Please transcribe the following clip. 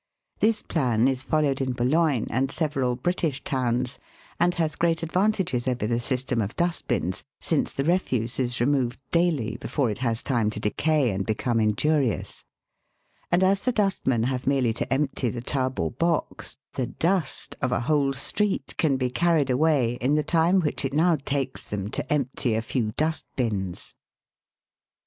This plan is followed in Boulogne, and several British towns, and has great advantages over the system of dust bins, since the refuse is removed daily, before it has time to decay and become injurious ; and as the dustmen have merely to empty the tub or box, the " dust " of a whole street can be carried away in the time which it now takes them to empty a few dust bins.